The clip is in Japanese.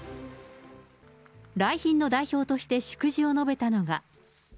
来賓の代表として祝辞を述べたのが。